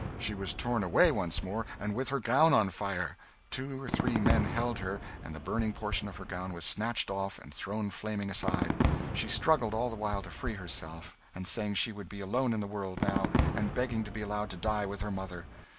She was torn away once more, and with her gown on fire. Two or three men held her, and the burning portion of her gown was snatched off and thrown flaming aside, she struggling all the while to free herself, and saying she would be alone in the world, now; and begging to be allowed to die with her mother.